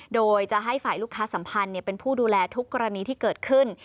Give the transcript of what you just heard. โดยจะให้ฝ่ายลูกค้าสัมพันธ์เป็นผู้ดูแลทุกกรณีที่เกิดขึ้น